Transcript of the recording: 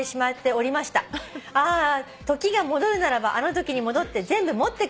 「ああ時が戻るならばあのときに戻って全部持ってくるのに」